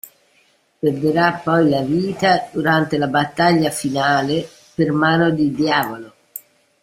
Perderà poi la vita durante la battaglia finale per mano di Diavolo.